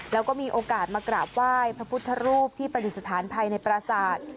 แล้วก็มีโอกาสมากราบไหว้พระพุทธรูปที่ปฏิสถานภายในปราศาสตร์